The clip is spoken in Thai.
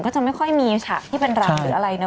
ก็จะไม่ค่อยมีฉะที่เป็นหราลของเขา